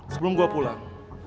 sebelum gue pulang